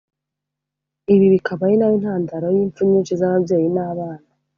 ibi bikaba ari na yo ntandaro y’impfu nyinshi z’ababyeyi n’abana